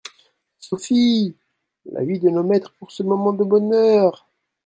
Sophie ! la vie de nos maîtres pour ce moment de bonheur !